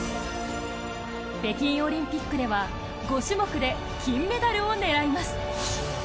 北京オリンピックでは５種目で金メダルを狙います。